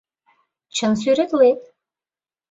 Чын сӱретлет.